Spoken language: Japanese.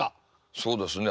そうですね